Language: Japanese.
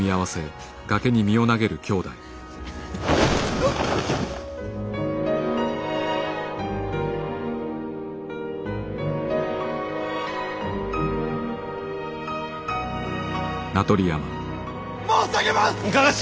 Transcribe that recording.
あ！申し上げます！